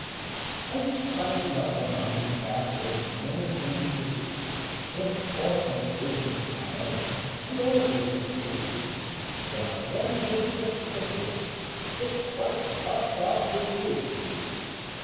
_ I was climbing up a mountain path, With many things to do, Important business of my own, And other people's too, When I ran against a Prejudice That quite cut off the view.